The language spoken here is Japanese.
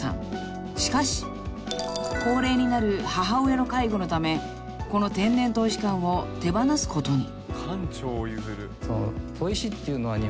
［しかし高齢になる母親の介護のためこの天然砥石館を手放すことに］